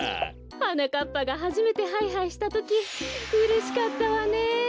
はなかっぱがはじめてハイハイしたときうれしかったわね！